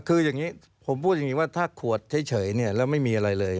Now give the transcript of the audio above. คืออย่างนี้ผมพูดอย่างนี้ว่าถ้าขวดเฉยเนี่ยแล้วไม่มีอะไรเลย